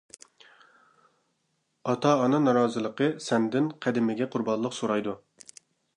ئاتا-ئانا نارازىلىقى سەندىن قەدىمىگە قۇربانلىق سورايدۇ.